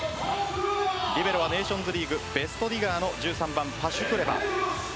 リベロネーションズリーグベストディガーの１３番・パシュクレバ。